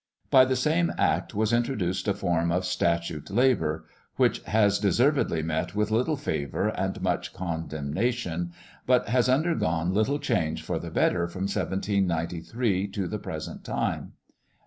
By the same Act was introduced a form of statute labour, which has deservedly met with little favour and much condemnation; but has undergone little change for the better from 1793 to the present time.